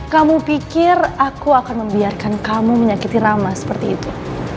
kamu pikir aku akan membiarkan kamu menyakiti rama seperti itu